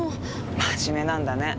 真面目なんだね。